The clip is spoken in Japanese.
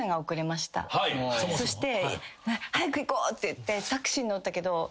そして早く行こうっていってタクシーに乗ったけど。